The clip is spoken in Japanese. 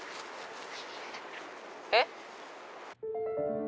えっ？